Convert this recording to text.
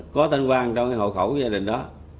có tên quang trong cái hộ khẩu của gia đình đó